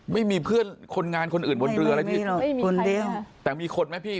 ไม่มีเพื่อนคนงานคนอื่นบนเรืออะไรพี่เลยคนเดียวแต่มีคนไหมพี่